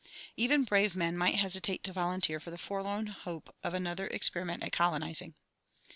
Even brave men might hesitate to volunteer for the forlorn hope of another experiment at colonizing.